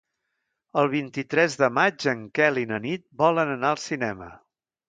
El vint-i-tres de maig en Quel i na Nit volen anar al cinema.